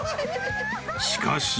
［しかし］